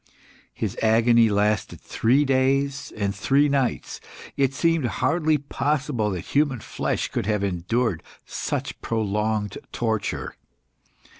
His agony lasted three days and three nights. It seemed hardly possible that human flesh could have endured such prolonged torture.